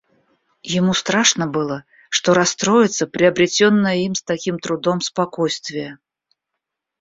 Ему страшно было, что расстроится приобретенное им с таким трудом спокойствие.